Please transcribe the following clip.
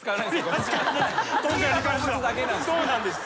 そうなんです。